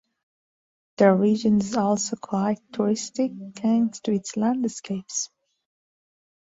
The region is also quite touristic, thanks to its landscapes.